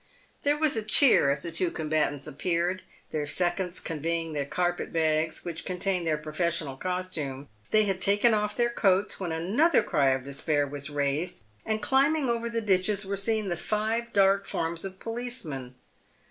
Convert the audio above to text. There was a cheer as the two combatants appeared, their seconds conveying the carpet bags which contained their professional costume. They had taken off their coats, when another cry of despair was raised, and climbing over the ditches were seen the five dark forms of policemen.